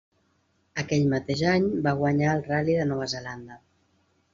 Aquell mateix any va guanyar el Ral·li de Nova Zelanda.